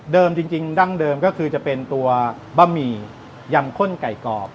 จริงดั้งเดิมก็คือจะเป็นตัวบะหมี่ยำข้นไก่กรอบ